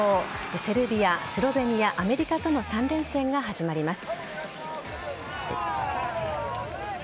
セルビア、スロベニアアメリカとの３連戦が始まります。